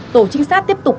tổ trinh sát tiếp tục